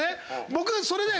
僕それで。